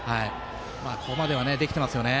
ここまではできていますよね。